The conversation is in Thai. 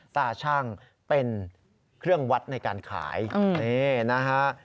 ตาชั่งเป็นเครื่องวัดในการขายนี่นะฮะ